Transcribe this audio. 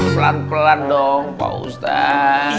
pelan pelan dong pak ustadz